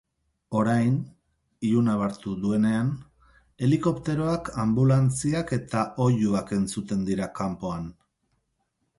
Orain, ilunabartu duenean, helikopteroak, anbulantziak eta oihuak entzuten dira kanpoan.